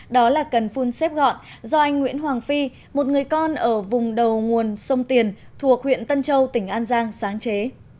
đó là cần phun xếp gọn do anh nguyễn hoàng phi một người con ở vùng đầu nguồn sông tiền thuộc huyện tân châu tỉnh an giang sáng chế